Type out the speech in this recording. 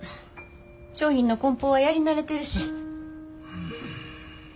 商品のこん包はやり慣れてるし。